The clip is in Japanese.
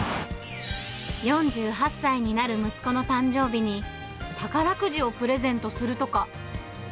４８歳になる息子の誕生日に、宝くじをプレゼントするとか。